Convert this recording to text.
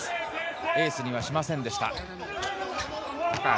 エースにはしませんでした。